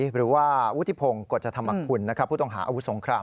หรือว่าวุฒิพงศ์กฎจธรรมคุณผู้ต้องหาอาวุธสงคราม